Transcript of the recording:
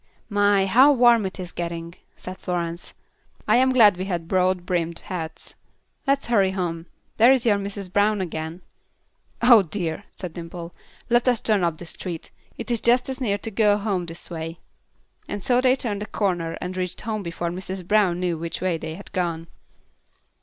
"My! how warm it is getting," said Florence. "I am glad we have broad brimmed hats. Let's hurry home. There is your Mrs. Brown again." "Oh, dear!" said Dimple. "Let us turn up this street; it is just as near to go home this way." So they turned the corner and reached home before Mrs. Brown knew which way they had gone.